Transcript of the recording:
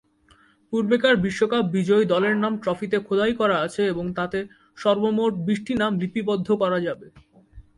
পূর্বেকার বিশ্বকাপ বিজয়ী দলের নাম ট্রফিতে খোদাই করা আছে এবং তাতে সর্বমোট বিশটি নাম লিপিবদ্ধ করা যাবে।